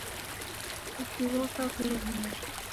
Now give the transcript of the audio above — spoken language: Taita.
Wuki ghoka ghulemere